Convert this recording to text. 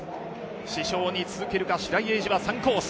師匠に続けるか、白井英治は３コース。